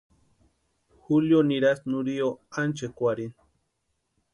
Julio nirasti Nurio ánchekwarhini.